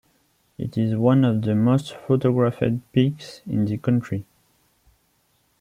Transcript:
It is one of the most photographed peaks in the country.